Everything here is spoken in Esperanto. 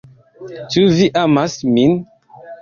Ĉu vi amas min?